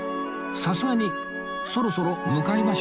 さすがにそろそろ向かいましょう